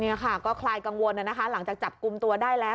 นี่ค่ะก็คลายกังวลนะคะหลังจากจับกลุ่มตัวได้แล้ว